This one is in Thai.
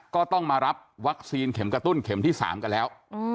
ก็ต้องมารับวัคซีนเข็มกระตุ้นเข็มที่๓กันแล้ว